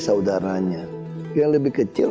saudaranya yang lebih kecil